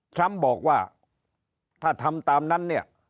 ทรัมป์บอกว่าถ้าทำตามนั้นเนี่ย